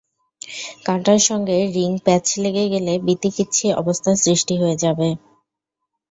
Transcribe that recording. কাঁটার সঙ্গে রিং প্যাঁচ লেগে গেলে বিতিকিচ্ছি অবস্থার সৃষ্টি হয়ে যাবে।